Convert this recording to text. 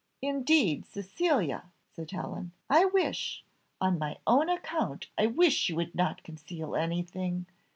"Indeed, Cecilia," said Helen, "I wish on my own account I wish you would not conceal anything.